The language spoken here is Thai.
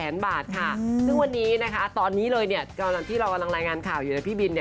ซึ่งวันนี้นะคะตอนนี้เลยเนี่ยกำลังที่เรากำลังรายงานข่าวอยู่นะพี่บินเนี่ย